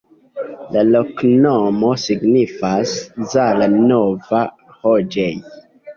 La loknomo signifas: Zala-nova-loĝej'.